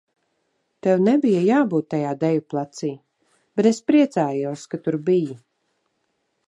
Tev nebija jābūt tajā deju placī, bet es priecājos, ka tur biji.